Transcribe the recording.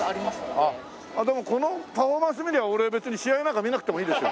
あっでもこのパフォーマンス見りゃあ俺別に試合なんか見なくてもいいですよ。